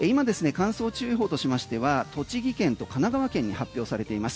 乾燥注意報としましては栃木県と神奈川県に発表されています。